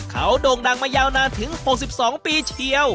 เขาโด่งดังมายาวนานถึง๖๒ปีเชียว